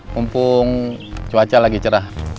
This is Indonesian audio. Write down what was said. mumpung cuaca lagi cerah